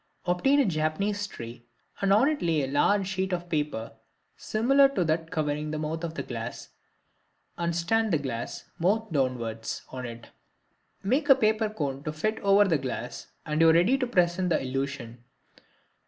Obtain a Japanese tray and on it lay a large sheet of paper similar to that covering the mouth of the glass, and stand the glass, mouth downwards, on it. Make a paper cone to fit over the glass and you are ready to present the illusion.